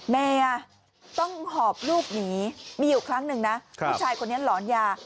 เมียต้องหอบลูกหนีมีอยู่ครั้งหนึ่งนะผู้ชายคนนี้หลอนยา